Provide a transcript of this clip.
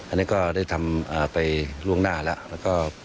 อันนี้ก็ได้ทำไปล่วงหน้าแล้ว